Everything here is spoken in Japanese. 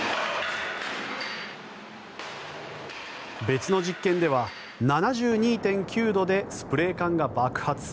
別の実験では７２．９度でスプレー缶が爆発。